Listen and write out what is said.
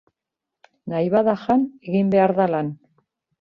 Nahi bada jan, egin behar da lan.